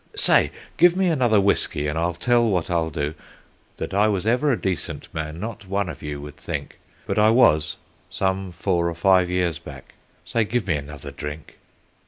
Say! Give me another whiskey, and I'll tell what I'll do That I was ever a decent man not one of you would think; But I was, some four or five years back. Say, give me another drink.